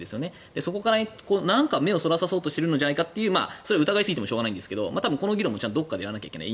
そこから目を離さそうとしているんじゃないかというそういう疑いすぎてもしょうがないんですがこの議論もどこかでやらないといけない。